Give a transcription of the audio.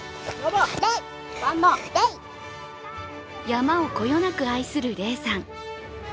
山をこよなく愛する嶺さん。